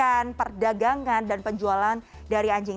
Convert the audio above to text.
akibat adanya sindikat penculikan perdagangan dan penjualan daging anjing